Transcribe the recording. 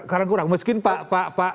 kurang kurang meskin pak pak pak